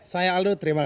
saya aldo terima kasih